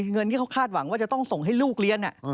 เงินที่เขาคาดหวังว่าจะต้องส่งให้ลูกเรียน